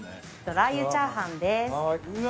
ラー油チャーハン。